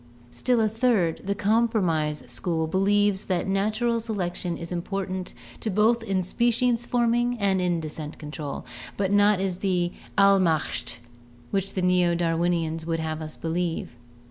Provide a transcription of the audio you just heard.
Still a third, the Compromise School, believes that natural selec tion is important both in species forming and descent control, but is not the "Allmacht" which the Neo Darwinians would have us believe.